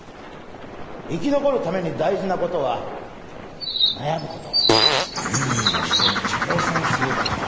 生き残るために大事な事は悩む事そして挑戦する事です。